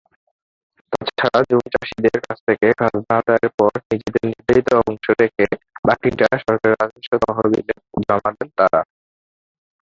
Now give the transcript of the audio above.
তাছাড়া জুম চাষীদের কাছ থেকে খাজনা আদায়ের পর নিজেদের নির্ধারিত অংশ রেখে বাকিটা সরকারের রাজস্ব তহবিলে জমা দেন তাঁরা।